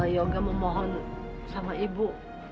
yoga mau mohon sama ibu